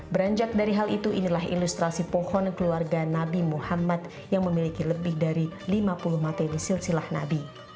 beranjak dari hal itu inilah ilustrasi pohon keluarga nabi muhammad yang memiliki lebih dari lima puluh materi silsilah nabi